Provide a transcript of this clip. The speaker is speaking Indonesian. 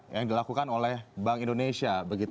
yang dilakukan oleh bank indonesia